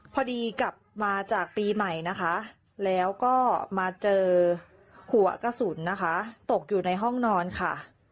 พอดีกลับมาจากปีใหม่นะคะแล้วก็มาเจอหัวกระสุนนะคะตกอยู่ในห้องนอนค่ะ